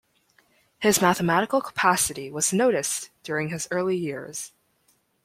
His mathematical capacity was noticed during his early years.